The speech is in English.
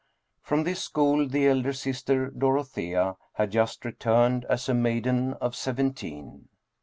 From this school the elder sister, Dorothea, had just returned as a maiden of seventeen.